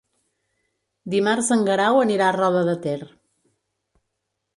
Dimarts en Guerau anirà a Roda de Ter.